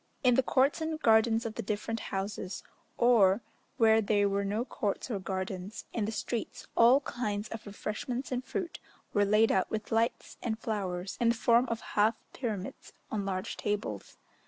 In the courts and gardens of the different houses, or, where there were no courts or gardens, in the streets, all kinds of refreshments and fruit were laid out with lights and flowers, in the form of half pyramids on large tables.